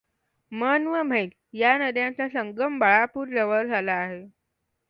मन व म्हैस या नद्यांचा संगम बाळापूर जवळ झाला आहे.